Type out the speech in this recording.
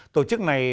tổ chức này